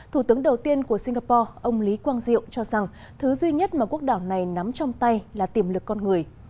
thủ tướng đầu tiên của singapore ông lý quang diệu cho rằng thứ duy nhất mà quốc đảo này nắm trong tay là tiềm lực con người